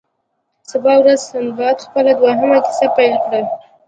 سبا ورځ سنباد خپله دوهمه کیسه پیل کړه.